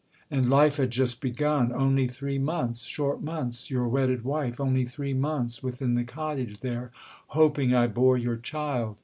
And life had just begun Only three months short months your wedded wife Only three months within the cottage there Hoping I bore your child.